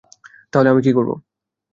তাহলে আমি করব?